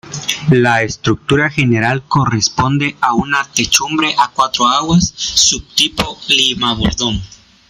La estructura general corresponde a una techumbre a cuatro aguas, subtipo lima-bordón.